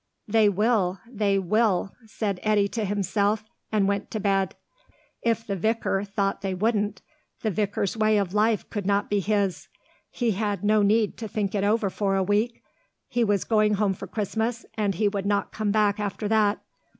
"They will, they will," said Eddy to himself, and went to bed. If the vicar thought they wouldn't, the vicar's way of life could not be his. He had no need to think it over for a week. He was going home for Christmas, and he would not come back after that.